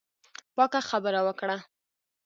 پاکه خبره وکړه.